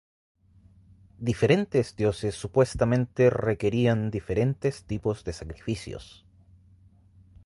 Diferentes dioses supuestamente requerían diferentes tipos de sacrificios.